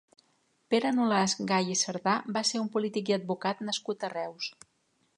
Pere Nolasc Gay i Sardà va ser un polític i advocat nascut a Reus.